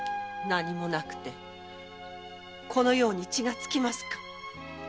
何もなくてこのように血がつきますか！